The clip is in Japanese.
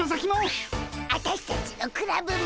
アタシたちのクラブも！